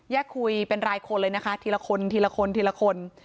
คุยเป็นรายคนเลยนะคะทีละคนทีละคนทีละคน